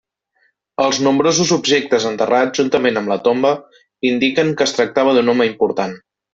Els nombrosos objectes enterrats juntament amb la tomba, indiquen que es tractava d'un home important.